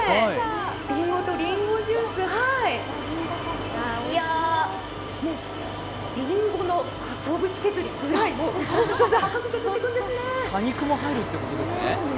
りんごとりんごジュース、いや、りんごのかつお節削り薄く削っていくんですね。